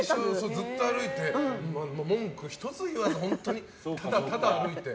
ずっと歩いて文句ひとつ言わずただただ歩いて。